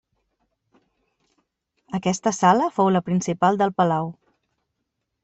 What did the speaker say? Aquesta sala fou la principal del palau.